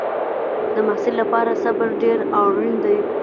د محصل لپاره صبر ډېر اړین دی.